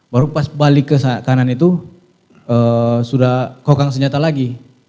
baru pas balik ke kanan itu sudah kokang senjata lagi